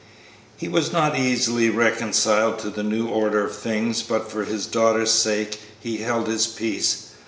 He was not easily reconciled to the new order of things, but for his daughter's sake he held his peace.